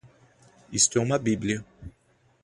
Isto é uma bíblia.